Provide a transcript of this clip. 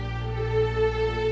kita tetap berdua